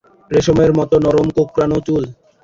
রেশমের মতো নরম কোঁকড়ানো চুল।